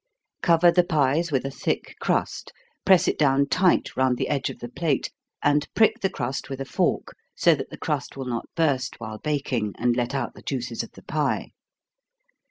Cover the pies with a thick crust press it down tight round the edge of the plate, and prick the crust with a fork, so that the crust will not burst while baking, and let out the juices of the pie.